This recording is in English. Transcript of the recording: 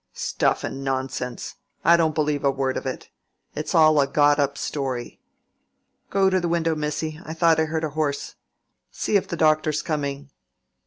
"Stuff and nonsense! I don't believe a word of it. It's all a got up story. Go to the window, missy; I thought I heard a horse. See if the doctor's coming."